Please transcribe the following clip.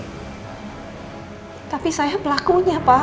tapi saya pelakunya pak